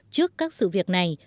trước các sự việc này